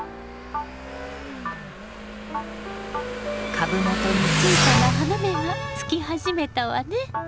株元に小さな花芽がつき始めたわね。